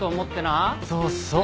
そうそう。